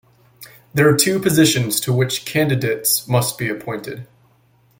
There are two positions to which candidates must be appointed.